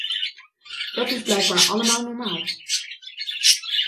Dat is blijkbaar allemaal normaal.